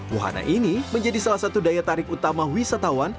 wahana ini menjadi salah satu daya tarik utama wisatawan